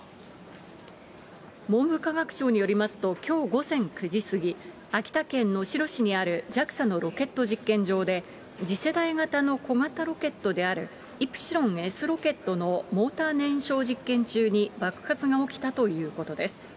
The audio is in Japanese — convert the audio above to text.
文部科学省によりますと、きょう午前９時すぎ、秋田県能代市にあるＪＡＸＡのロケット実験場で、次世代型の小型ロケットであるイプシロンＳロケットのモーター燃焼実験中に爆発が起きたということです。